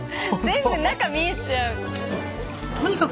全部中見えちゃう。